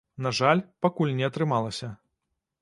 На жаль, пакуль не атрымалася.